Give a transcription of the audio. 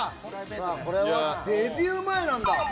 これはデビュー前なんだ？